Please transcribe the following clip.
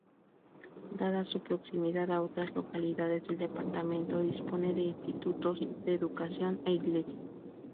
Dada su proximidad a otras localidades del departamento, dispone de institutos de educación e iglesia.